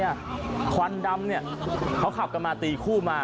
ทะเลชิงคิวบนสะพานมีอะไรอ่ะควันดำเนี่ยเขาขับกันมาตีคู่มา